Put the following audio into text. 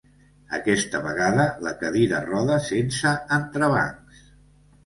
Aquesta vegada la cadira roda sense entrebancs.